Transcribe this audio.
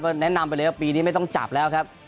แนะนำไปเลยว่าปีนี้ไม่ต้องจับแล้วครับ